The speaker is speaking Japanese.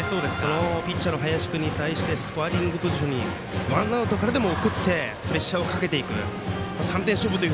ピッチャーの林君に対してスコアリングポジションにワンアウトからでも送ってプレッシャーをかけていく。